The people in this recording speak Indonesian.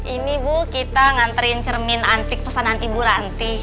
ini bu kita nganterin cermin antik pesanan ibu ranti